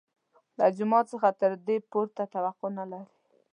له جومات څخه تر دې پورته توقع نه لري.